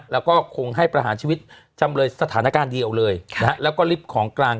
แล้วก็คงให้ประหารชีวิตจำเลยสถานการณ์เดียวเลยแล้วก็ริบของการคราน